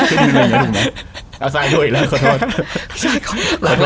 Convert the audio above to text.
เอาซ้ายดูอีกแล้วขอโทษ